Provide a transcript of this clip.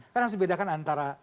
karena harus dibedakan antara